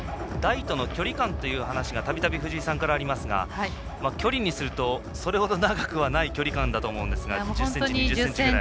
台との距離感という話がたびたびありますが距離にするとそれほど長くはない距離感だと思うんですが。